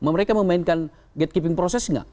mereka memainkan gatekeeping proses nggak